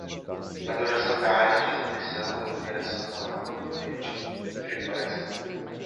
A duração da Área de Expressão e Interação Oral inclui o tempo de preparação.